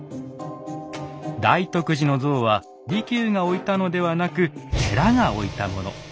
大徳寺の像は利休が置いたのではなく寺が置いたもの。